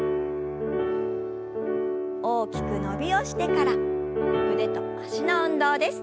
大きく伸びをしてから腕と脚の運動です。